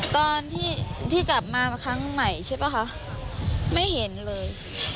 ตอนที่กลับมาครั้งใหม่ใช่ป่ะคะไม่เห็นเลย